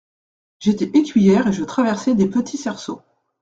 J’étais écuyère et je traversais des petits cerceaux.